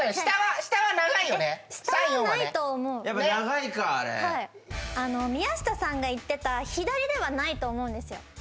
下はないと思うやっぱ長いかあれ宮下さんが言ってた左ではないと思うんですよ